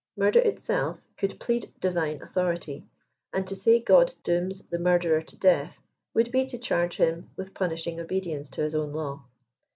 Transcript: Murder itself could plead divine authority, and to say God dooms the murderer to death, would be to charge him with punishing obedience to his own law.